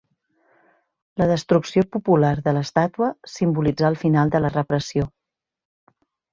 La destrucció popular de l'estàtua simbolitzà el final de la repressió.